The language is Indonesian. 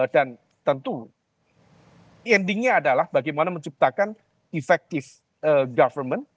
dan tentu endingnya adalah bagaimana menciptakan efektif government